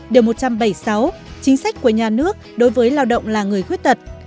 điều một trăm bảy mươi sáu chính sách của nhà nước đối với lao động là người khuyết tật